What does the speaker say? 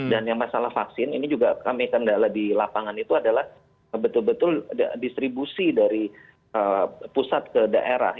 dan yang masalah vaksin ini juga kami kendala di lapangan itu adalah betul betul distribusi dari pusat ke daerah